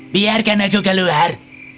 biarkan aku keluar